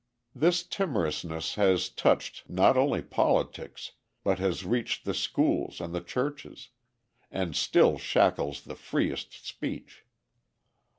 This timorousness has touched not only politics, but has reached the schools and the churches and still shackles the freest speech.